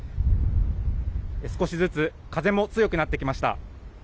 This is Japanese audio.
少しずつ風も強くなってきました。